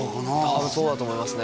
多分そうだと思いますね